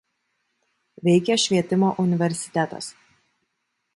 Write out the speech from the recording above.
Veikia Švietimo universitetas.